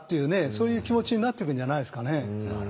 そういう気持ちになってくんじゃないですかね。